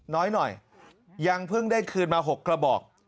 น้อยหน่อยยังเพิ่งได้คืนมา๖กระบอก